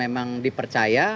seperti menurut saya